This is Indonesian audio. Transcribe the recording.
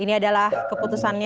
ini adalah keputusannya